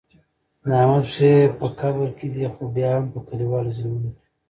د احمد پښې په قبر کې دي خو بیا هم په کلیوالو ظلمونه کوي.